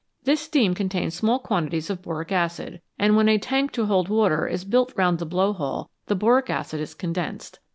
This steam contains small quantities of boric acid, and when a tank to hold water is built round the blowhole, the boric acid is condensed.